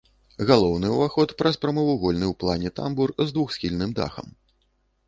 Галоўны ўваход праз прамавугольны ў плане тамбур з двухсхільным дахам.